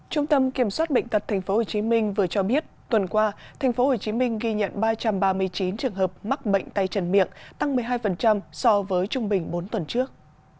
trung tâm kiểm soát bệnh tật tp hcm vừa cho biết tuần qua tp hcm ghi nhận ba trăm ba mươi chín trường hợp mắc bệnh tay chân miệng tăng một mươi hai so với trung bình bốn tuần trước